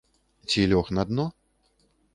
Ці лёг на дно?